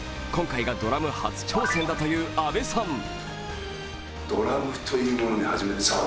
今回がドラム初挑戦だという阿部さん。